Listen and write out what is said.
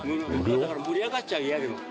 だから盛り上がっちゃうイヤでも。